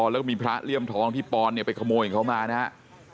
แล้วก็มีพระเลี่ยมทองที่ปอนเนี่ยไปขโมยของเขามานะครับ